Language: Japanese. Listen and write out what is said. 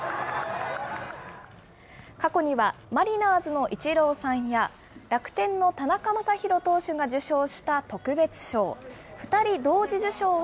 過去には、マリナーズのイチローさんや、楽天の田中将大投手が受賞した特別賞。